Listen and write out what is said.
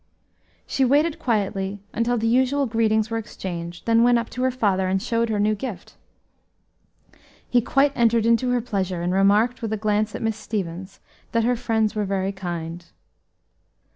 She waited quietly until the usual greetings were exchanged, then went up to her father and showed her new gift. He quite entered into her pleasure, and remarked, with a glance at Miss Stevens, "that her friends were very kind."